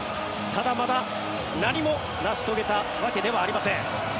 ただ、まだ何も成し遂げたわけではありません。